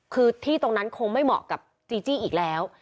คือที่ตรงนั้นคงไม่เหมาะกับจีจี้อีกแล้ว